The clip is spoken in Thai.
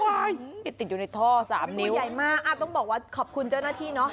ติดอยู่ในท่อ๓นิ้วเหมือนกับตัวใหญ่มากต้องบอกว่าขอบคุณเจ้าหน้าที่นะ